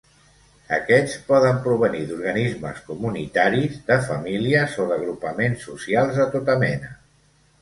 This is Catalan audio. Aquests poden provenir d'organismes comunitaris, de famílies o d'agrupaments socials de tota mena.